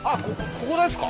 ここですか？